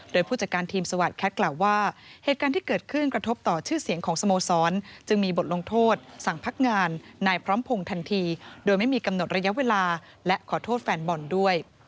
โดยผู้จัดการทีมสวัสดิแคทกล่าวว่าเหตุการณ์ที่เกิดขึ้นกระทบต่อชื่อเสียงของสโมสรจึงมีบทลงโทษสั่งพักงานนายพร้อมพงศ์ทันทีโดยไม่มีกำหนดระยะเวลาและขอโทษแฟนบอลด้วย